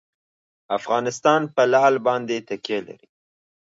افغانستان په لعل باندې تکیه لري.